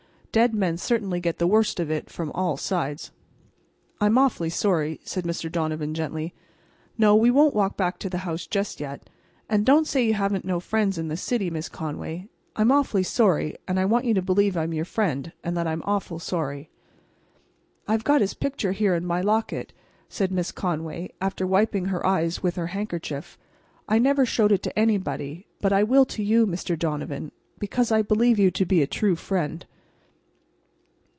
Dead men certainly get the worst of it from all sides. "I'm awfully sorry," said Mr. Donovan, gently. "No, we won't walk back to the house just yet. And don't say you haven't no friends in this city, Miss Conway. I'm awful sorry, and I want you to believe I'm your friend, and that I'm awful sorry." "I've got his picture here in my locket," said Miss Conway, after wiping her eyes with her handkerchief. "I never showed it to anybody; but I will to you, Mr. Donovan, because I believe you to be a true friend."